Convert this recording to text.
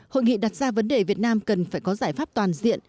hội nghị đặt ra vấn đề việt nam cần phải có giải pháp toàn diện